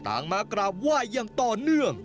มากราบไหว้อย่างต่อเนื่อง